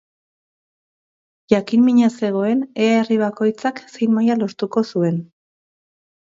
Jakin-mina zegoen ea herri bakoitzak zein maila lortuko zuen.